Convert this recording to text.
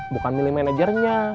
bukan milih manajernya